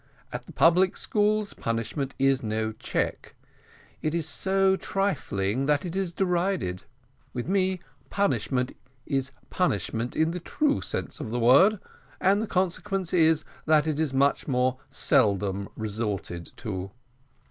At the public schools, punishment is no check; it is so trifling that it is derided: with me punishment is punishment in the true sense of the word, and the consequence is, that it is much more seldom resorted to."